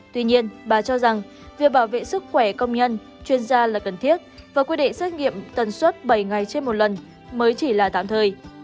tuy nhiên bà cho rằng việc bảo vệ sức khỏe công nhân chuyên gia là cần thiết và quy định xét nghiệm tần suất bảy ngày trên một lần mới chỉ là tạm thời